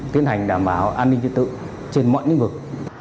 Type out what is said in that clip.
tiến hành đảm bảo an ninh trật tự trên mọi lĩnh vực